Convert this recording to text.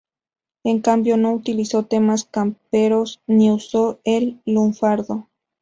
En cambio, no utilizó temas camperos ni usó el lunfardo.